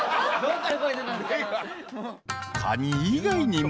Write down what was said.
［カニ以外にも］